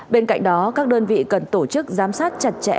bên cạnh đó các đơn vị cần tổ chức giám sát chặt chẽ